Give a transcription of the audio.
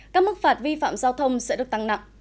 các mức phạt vi phạm giao thông sẽ được tăng nặng